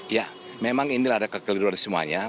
ya memang ini ada kekeliruan semuanya